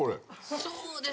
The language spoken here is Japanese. そうですね。